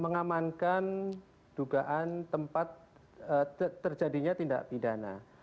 mengamankan dugaan tempat terjadinya tindak pidana